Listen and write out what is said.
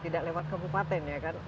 tidak lewat kabupaten ya kan